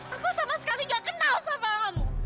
aku sama sekali gak kenal sama